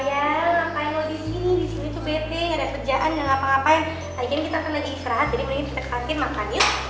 jadi mending kita ke kantin makan yuk